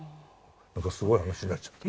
なんかすごい話になっちゃった。